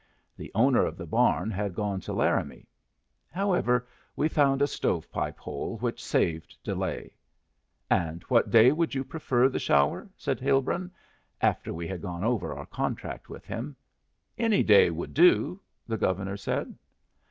The owner of the barn had gone to Laramie. However, we found a stove pipe hole, which saved delay. "And what day would you prefer the shower?" said Hilbrun, after we had gone over our contract with him. "Any day would do," the Governor said.